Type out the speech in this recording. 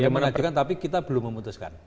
dia mengajukan tapi kita belum memutuskan